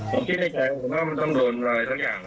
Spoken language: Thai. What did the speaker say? ผมคิดในใจผมว่ามันต้องโดนอะไรสักอย่าง